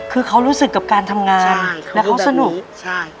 คือเขารู้สึกกับการทำงานแล้วเขาสนุกใช่เขาดูแบบนี้ใช่